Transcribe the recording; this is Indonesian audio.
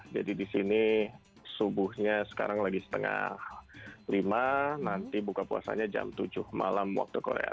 jadi di sini subuhnya sekarang lagi setengah lima nanti buka puasanya jam tujuh malam waktu korea